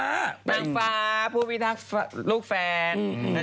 นางฟ้าผู้พิทักษ์ลูกแฟน